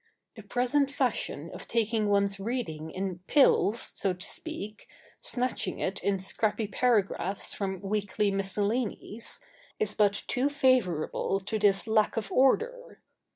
The present fashion of taking one's reading in pills, so to speak, snatching it in scrappy paragraphs from weekly miscellanies, is but too favourable to this lack of order.